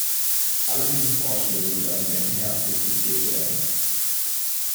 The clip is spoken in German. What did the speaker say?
Alle diese Vorschläge werden im Herbst diskutiert werden.